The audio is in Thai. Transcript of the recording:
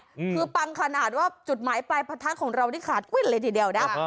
คือปังขนาดว่าจุดหมายปลายประทัดของเรานี่ขาดวิ่นเลยทีเดียวนะ